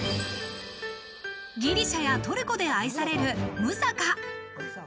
ギリシャやトルコで愛されるムサカ。